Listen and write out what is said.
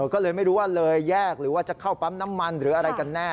ก็เลยไม่รู้ว่าเลยแยกหรือว่าจะเข้าปั๊มน้ำมันหรืออะไรกันแน่